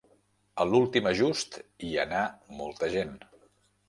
A l'últim ajust, hi anà molta gent.